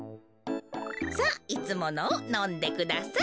さあいつものをのんでください。